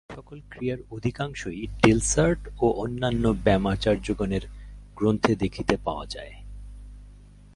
এই-সকল ক্রিয়ার অধিকাংশই ডেলসার্ট ও অন্যান্য ব্যায়ামাচার্যগণের গ্রন্থে দেখিতে পাওয়া যায়।